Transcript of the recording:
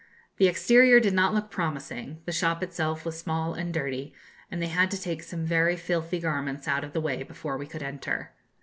The exterior did not look promising; the shop itself was small and dirty; and they had to take some very filthy garments out of the way before we could enter.